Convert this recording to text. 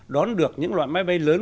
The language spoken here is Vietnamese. đón được những loại máy bay lớn